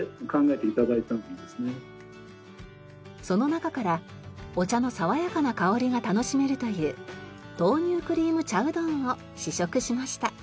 その中からお茶の爽やかな香りが楽しめるという豆乳クリーム茶うどんを試食しました。